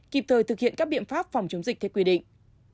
kịp thời thực hiện các biện pháp phòng chống dịch theo quy định